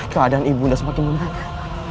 keadaan ibu sudah semakin menaklukan